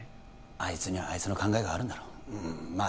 あいつにはあいつの考えがあるんだろうまあ